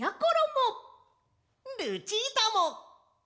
ルチータも！